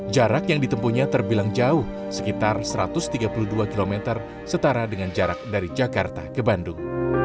jarak yang ditempunya terbilang jauh sekitar satu ratus tiga puluh dua km setara dengan jarak dari jakarta ke bandung